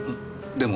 でも？